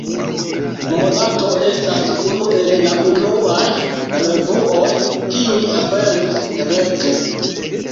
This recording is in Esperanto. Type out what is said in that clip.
Monato estas unu el la unuaj revuoj, kiuj aperis rete.